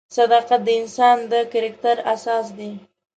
صداقت د انسان د کرکټر اساس دی.